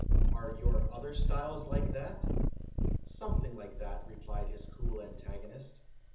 " Are your other styles like that ?'" Something like that," replied his cool antagonist.